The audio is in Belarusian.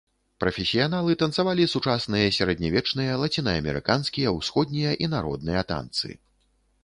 Прафесіяналы танцавалі сучасныя, сярэднявечныя, лацінаамерыканскія, ўсходнія і народныя танцы.